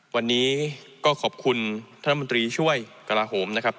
วันนี้ก็ขอบคุณท่านรัฐมนตรีช่วยกระลาโหมนะครับ